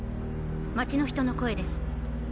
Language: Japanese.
町の人の声です。